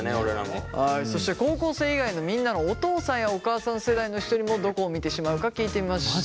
はいそして高校生以外のみんなのお父さんやお母さん世代の人にもどこを見てしまうか聞いてみました。